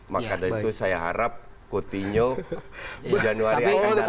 maka dari itu saya harap coutinho di januari akan datang